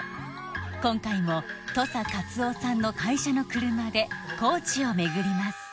今回も土佐かつおさんの会社の車で高知を巡ります